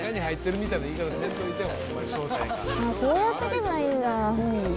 こうやっていけばいいんだ、私、